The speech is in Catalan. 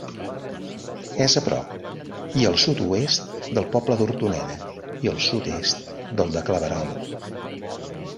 És a prop i al sud-oest del poble d'Hortoneda i al sud-est del de Claverol.